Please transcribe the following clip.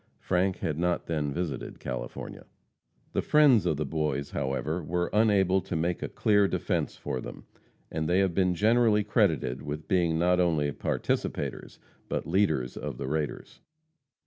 Frank had not then visited California. The friends of the boys, however, were unable to make a clear defense for them, and they have been generally credited with being not only participators, but leaders of the raiders.